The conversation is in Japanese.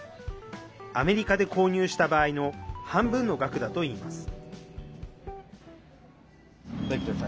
アメリカで購入した場合の半分の額だといいます。